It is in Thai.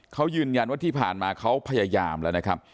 เขายืนยันว่าที่ผ่านมาเขาพยายามแล้วนะครับ